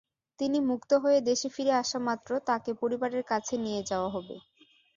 তিনি মুক্ত হয়ে দেশে ফিরে আসামাত্র তাঁকে পরিবারের কাছে নিয়ে যাওয়া হবে।